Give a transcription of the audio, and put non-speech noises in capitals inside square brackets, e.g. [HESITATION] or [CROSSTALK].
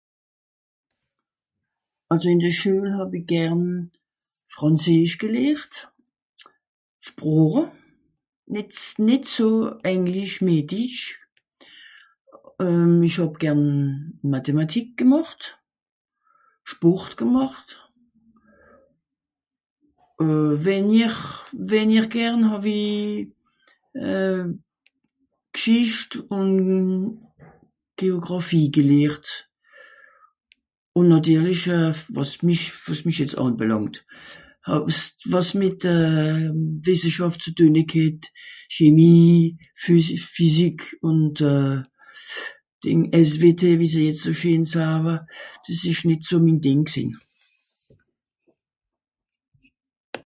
Àlso ìn de Schüel hàw-i gern frànzeesch gelehrt, Sproche, nìt... nìt so englisch (...) [HESITATION] ìch hàb gern Matématik gemàcht, [HESITATION] Sport gemàcht. [HESITATION] Wenjer... wenjer gern hàw-i [HESITATION] Gschischt ùn Géogràphie gelehrt. Ùn nàtirlich wàs mich... wàs mich jetz ànblàngt. Àw... wàs mìt [HESITATION] Wìsseschàft ze tuen het ghet... Chemi... physi... physik ùn [HESITATION] dìng... SVT wie sie jetz scheen sawe, dìs ìsch jetz nìt so min Dìng gsìnn.